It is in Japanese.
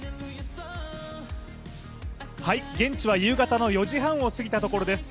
現地は夕方の４時半を過ぎたところです。